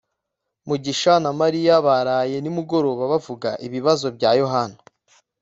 mugisha na mariya baraye nimugoroba bavuga ibibazo bya yohana